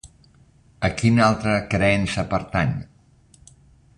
A quina altra creença pertany?